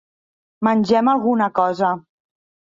Mengem alguna cosa.